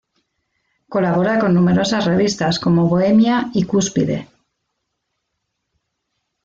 Colabora con numerosas revistas como Bohemia y Cúspide.